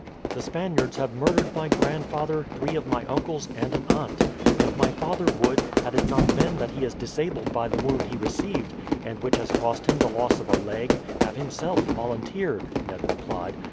"The Spaniards have murdered my grandfather, three of my uncles, and an aunt; and my father would, had it not been that he is disabled by the wound he received, and which has cost him the loss of a leg, have himself volunteered," Ned replied.